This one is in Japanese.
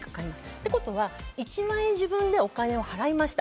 ということは、１万円自分でお金を払いました。